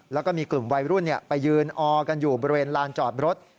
แล้วก็มีกลุ่มวัยรุ่นไปยืนออกันอยู่บริเวณลานจอดรถ